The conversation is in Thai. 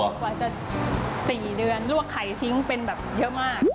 โอเคกว่าจะ๔เดือนลวกไข่ชิ้นยังเป็นอย่างเยอะมาก